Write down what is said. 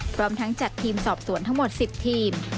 พร้อมทั้งจัดทีมสอบสวนทั้งหมด๑๐ทีม